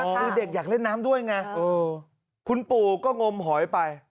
คือเด็กอยากเล่นน้ำด้วยไงคุณปู่ก็งมหอยไป